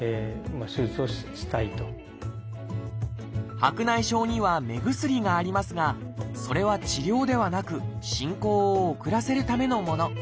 白内障には目薬がありますがそれは治療ではなく進行を遅らせるためのもの。